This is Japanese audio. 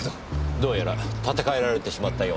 どうやら建て替えられてしまったようですね。